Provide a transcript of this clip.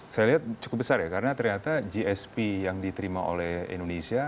saya lihat cukup besar ya karena ternyata gsp yang diterima oleh indonesia